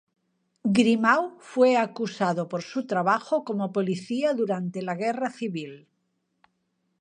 Grimau fue acusado por su trabajo como policía durante la guerra civil.